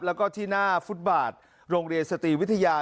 แล้วก็ที่หน้าฟุตบาทโรงเรียนสตรีวิทยา